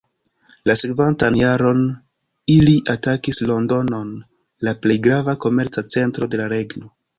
La sekvantan jaron ili atakis Londonon, la plej grava komerca centro de la regno.